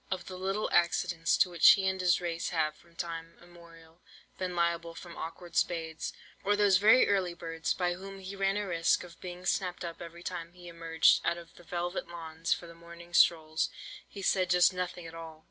"Of the little accidents to which he and his race have from time immemorial been liable from awkward spades, or those very early birds, by whom he ran a risk of being snapped up every time he emerged out of the velvet lawns for the morning strolls, he said just nothing at all.